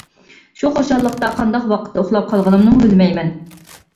شۇ خۇشاللىقتا قانداق ۋاقىتتا ئۇخلاپ قالغىنىمنىمۇ بىلمەيمەن.